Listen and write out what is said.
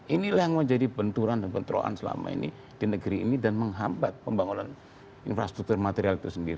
inilah yang menjadi benturan dan bentroan selama ini di negeri ini dan menghambat pembangunan infrastruktur material itu sendiri